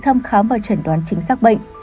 thăm khám và chẩn đoán chính xác bệnh